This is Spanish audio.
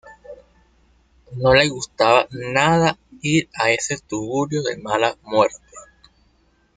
No le gustaba nada ir a ese tugurio de mala muerte